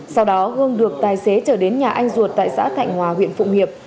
sau đó hương được tài xế trở đến nhà anh ruột tại xã thạnh hòa huyện phụng hiệp